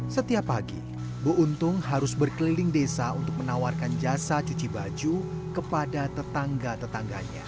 setiap pagi bu untung harus berkeliling desa untuk menawarkan jasa cuci baju kepada tetangga tetangganya